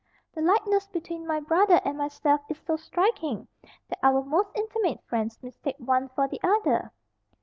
The likeness between my brother and myself is so striking that our most intimate friends mistake one for the other."